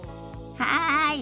はい！